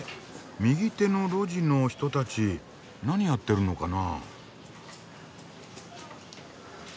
右手の路地の人たち何やってるのかな？